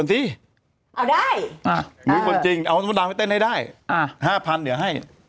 เต้นให้ได้๕๐๐๐เดี๋ยวให้